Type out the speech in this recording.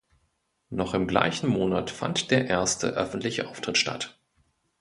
Noch im gleichen Monat fand der erste öffentliche Auftritt statt.